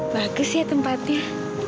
bagus ya tempatnya